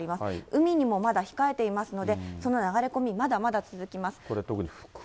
海にもまだ控えていますので、その流れ込み、まだまだ続きます。